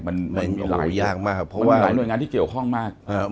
มันมีหลายหน่วยงานที่เกี่ยวข้องมาก